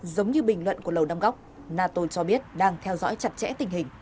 giống như bình luận của lầu năm góc nato cho biết đang theo dõi chặt chẽ tình hình